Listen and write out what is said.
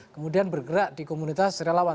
kemudian bergerak di komunitas relawan